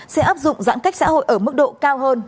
sẽ áp dụng giãn cách xã hội ở mức độ cao hơn